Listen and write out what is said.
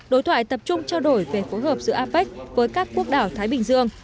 đối thoại tập trung trao đổi về phối hợp giữa apec với các quốc đảo thái bình dương